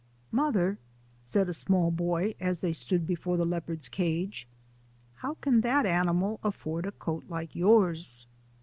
" Mother, 5 ' said a small boy, as they stood before the leopard's cage, "how can that animal afford a coat like yours?"